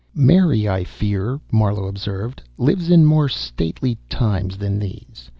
"Mary, I fear," Marlowe observed, "lives in more stately times than these.